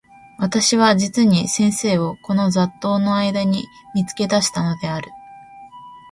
私は実に先生をこの雑沓（ざっとう）の間（あいだ）に見付け出したのである。